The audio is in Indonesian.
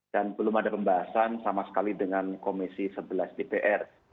dan belum ada pembahasan sama sekali dengan komisi sebelas dpr